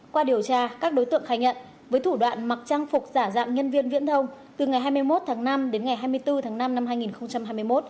qua điều tra các đối tượng khai nhận với thủ đoạn mặc trang phục giả dạng nhân viên viễn thông từ ngày hai mươi một tháng năm đến ngày hai mươi bốn tháng năm năm hai nghìn hai mươi một